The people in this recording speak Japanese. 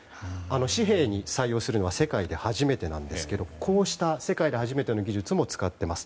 紙幣に採用するのは世界で初めてなんですがこうした世界で初めての技術も使ってます。